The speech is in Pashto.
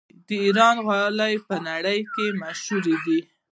د ایران غالۍ په نړۍ کې مشهورې دي.